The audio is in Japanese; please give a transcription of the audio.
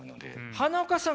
花岡さん